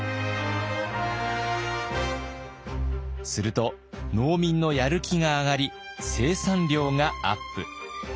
すると農民のやる気が上がり生産量がアップ。